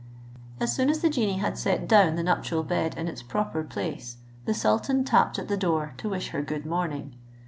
As soon as the genie had set down the nuptial bed in its proper place, the sultan tapped at the door to wish her good morning.